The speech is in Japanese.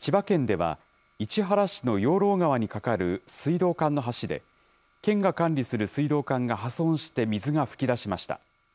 千葉県では、市原市の養老川に架かる水道管の橋で、県が管理する水道管が破損して水が噴き出しました。